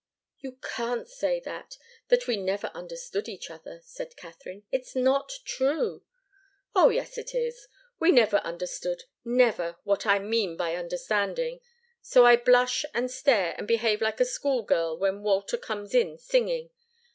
"You can't say that that we never understood each other," said Katharine. "It's not true." "Oh yes, it is! We never understood never, what I mean by understanding. So I blush, and stare, and behave like a schoolgirl, when Walter comes in singing!